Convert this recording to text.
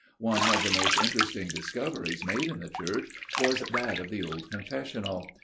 One of the most interesting discoveries made in the church was that of the old confessional.